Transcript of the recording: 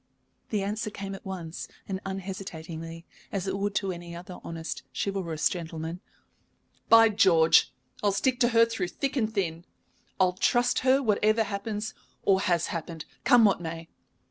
The answer came at once and unhesitatingly, as it would to any other honest, chivalrous gentleman. "By George, I'll stick to her through thick and thin! I'll trust her whatever happens or has happened, come what may.